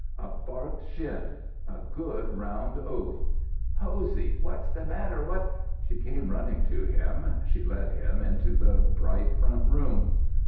A barked shin. A good round oath. "Hosey! What's the matter? What " She came running to him. She led him into the bright front room.